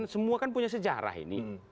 semua kan punya sejarah ini